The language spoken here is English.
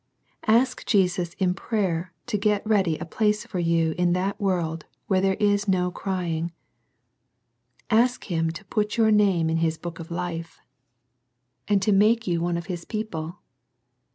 Ask Jesus in prayer to get ready a place for you in that world where there is no " crying." Ask Him to put your name ixv'RSs Xyi^k.QC Ufe^ NO MORE CRYING. 77 and to make you one of His people.